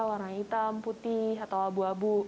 warna hitam putih atau abu abu